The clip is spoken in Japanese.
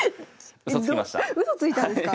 うそついたんですか？